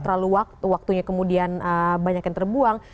terlalu waktunya kemudian banyak yang terbuang